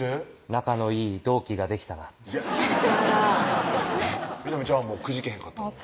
仲のいい同期ができたなといやっ南ちゃんはくじけへんかったの？